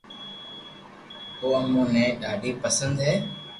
او امو ني ڌادي پسند ھي